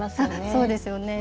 そうですよね。